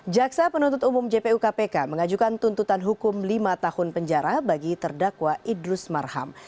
jaksa penuntut umum jpu kpk mengajukan tuntutan hukum lima tahun penjara bagi terdakwa idrus marham